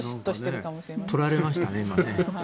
とられましたね。